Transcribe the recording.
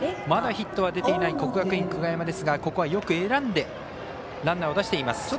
まだヒットは出ていない国学院久我山ですがここはよく選んでランナーを出しています。